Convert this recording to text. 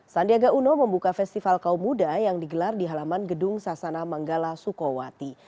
sandiaga uno membuka festival kaum muda yang digelar di halaman gedung sasana manggala sukowati